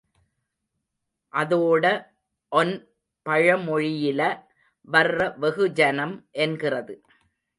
அதோட ஒன் பழமொழியில வர்ற வெகுஜனம் என்கிறது.